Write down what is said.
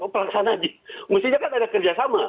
pelaksana mesti dia kan ada kerjasama